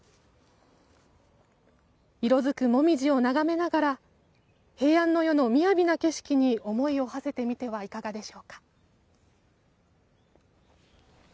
色づくモミジを眺めながら平安の世の雅な景色に思いをはせてみてはいかがでしょうか。